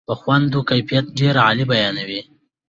په خوند و کیفیت ډېره عالي بیانوي.